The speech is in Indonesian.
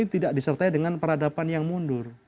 tidak disertai dengan peradaban yang mundur